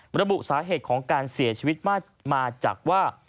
ระบุสาเหตุของการเสียชีวิตมาจากว่า